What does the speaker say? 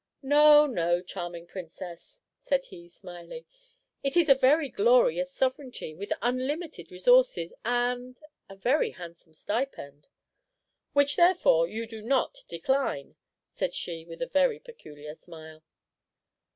"No, no, charming Princess," said he, smiling; "it is a very glorious sovereignty, with unlimited resources and a very handsome stipend." "Which, therefore, you do not decline," said she, with a very peculiar smile.